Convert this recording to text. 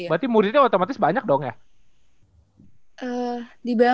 berarti muridnya otomatis banyak dong ya